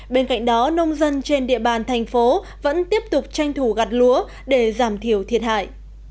bên cạnh đó nông dân trên địa bàn thành phố vẫn tiếp tục tranh thủ gặt lúa để giảm thiểu thiệt hại